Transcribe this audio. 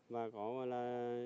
và có là